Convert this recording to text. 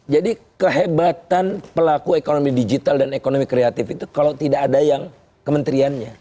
jadi kehebatan pelaku ekonomi digital dan ekonomi kreatif itu kalau tidak ada yang kementeriannya